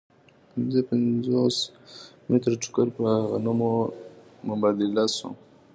پنځه پنځوس متره ټوکر په غنمو مبادله شو